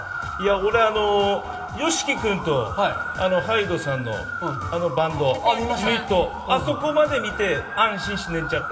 俺、ＹＯＳＨＩＫＩ君とＨＹＤＥさんのバンド、ユニットあそこまで見て安心して寝ちゃった。